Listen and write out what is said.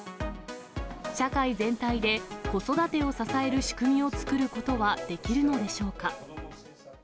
社会全体で子育てを支える仕組みを作ることはできるのでしょうか。